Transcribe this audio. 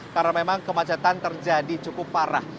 karena memang kemacetan terjadi cukup parah